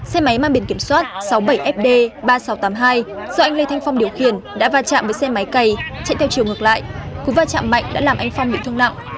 xe máy mang biển kiểm soát sáu mươi bảy fd ba nghìn sáu trăm tám mươi hai do anh lê thanh phong điều khiển đã va chạm với xe máy cày chạy theo chiều ngược lại cú va chạm mạnh đã làm anh phong bị thương nặng